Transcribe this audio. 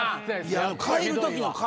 帰る時の顔